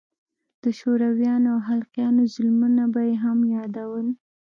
د شورويانو او خلقيانو ظلمونه به يې هم يادول.